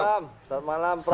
selamat malam prof